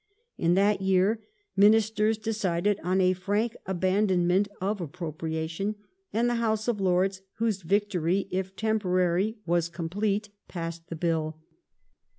In that year Ministei"s decided on a frank abandonment of appropriation, and the House of Lords, whose victory if temporary was complete, passed the Bill.